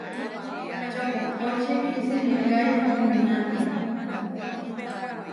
Čopohkóči kisimikái muináti.